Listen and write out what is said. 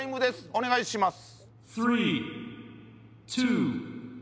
お願いします